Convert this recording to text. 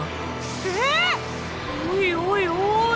ええ⁉おいおいおい。